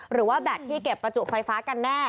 หรือว่าแบตที่เก็บประจุไฟฟ้ากันแน่